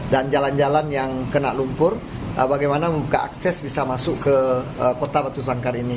dan jalan jalan yang kena lumpur bagaimana membuka akses bisa masuk ke kota batu sangkar ini